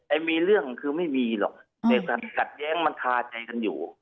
มีเรื่องคือไม่มีหรอกแต่ขัดแย้งมันคาใจกันอยู่